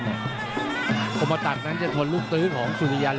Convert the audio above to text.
ความอาจัดคำหนักจะทนลูกตื้อที่ซูอิยัล